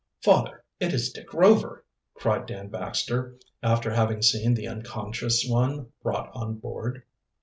"Father, it is Dick Rover," cried Dan Baxter, after having seen the unconscious one brought on board.